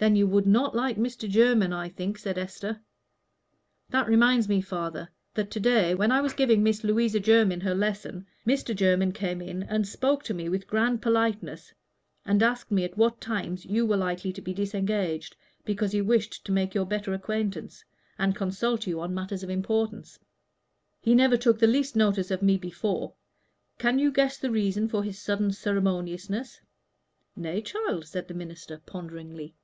"Then you would not like Mr. Jermyn, I think," said Esther. "That reminds me, father, that to day, when I was giving Miss Louisa Jermyn her lesson, Mr. Jermyn came in and spoke to me with grand politeness, and asked me at what times you were likely to be disengaged, because he wished to make your better acquaintance, and consult you on matters of importance. He never took the least notice of me before. Can you guess the reason of his sudden ceremoniousness?" "Nay, child," said the minister, ponderingly.